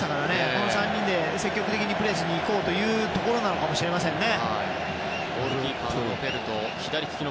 この３人で積極的にプレスに行こうというところかもしれませんね。